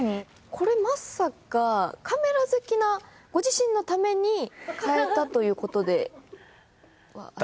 これまさかカメラ好きなご自身のために変えたということでは。